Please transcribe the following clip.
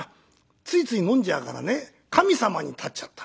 ついつい飲んじゃうからね神様にたっちゃったんだよ。